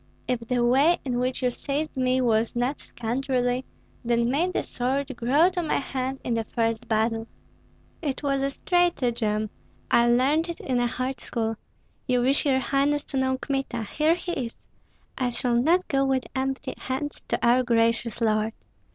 "If the way in which you seized me was not scoundrelly, then may the sword grow to my hand in the first battle." "It was a stratagem! I learned it in a hard school. You wish, your highness, to know Kmita. Here he is! I shall not go with empty hands to our gracious lord."